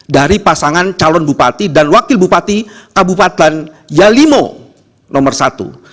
dari pasangan calon bupati dan wakil bupati kabupaten yalimo nomor satu